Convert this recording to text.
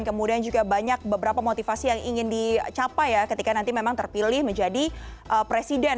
kemudian juga banyak beberapa motivasi yang ingin dicapai ya ketika nanti memang terpilih menjadi presiden